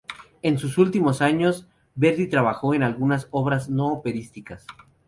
En sus últimos años, Verdi trabajó en algunas obras no operísticas.